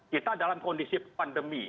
kita dalam kondisi pandemi